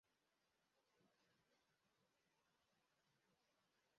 Dr. Iseec Munyekezi yesezerenyije